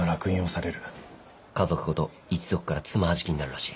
家族ごと一族から爪はじきになるらしい。